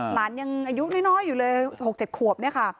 หลานยังอายุน้อยอยู่เลย๖๗ขวบเนี่ยค่ะ